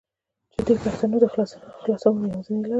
چې دې پښتنو د خلاصونو يوازينۍ لاره